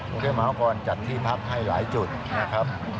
กรุงเทพมหานครจัดที่พักให้หลายจุดนะครับ